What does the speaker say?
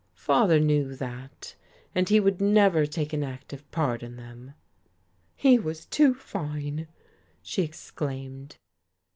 "Father knew that. And he would never take an active part in them." "He was too fine!" she exclaimed.